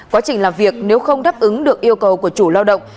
quá trình làm việc nếu không đáp ứng được yêu cầu của chủ lao động